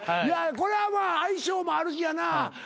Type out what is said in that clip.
これは相性もあるしやな。